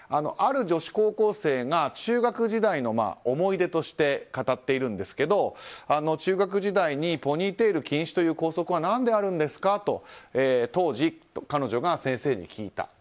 ある女子高校生が中学時代の思い出として語っているんですけど中学時代にポニーテール禁止という校則は何であるんですか？と当時、彼女が先生に聞いた。